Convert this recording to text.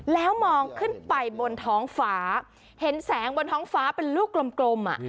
แล้วมองขึ้นไปบนท้องฟ้าเห็นแสงบนท้องฟ้าเป็นลูกกลม